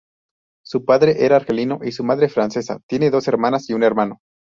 Su padre era argelino y su madre francesa, tiene dos hermanas y un hermano.